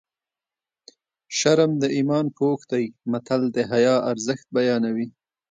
شرم د ایمان پوښ دی متل د حیا ارزښت بیانوي